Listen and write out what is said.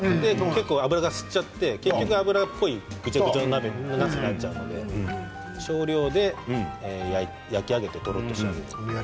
結構、油が吸っちゃって結局、油っぽいぐちゃぐちゃのなすになっちゃうので少量で焼き上げてとろっと仕上げる。